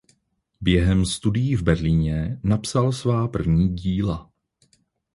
Během studií v Berlíně napsal svá první díla.